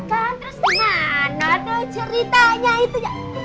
terus dimana tuh ceritanya itu